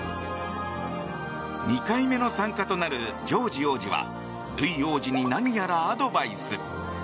２回目の参加となるジョージ王子はルイ王子に何やらアドバイス。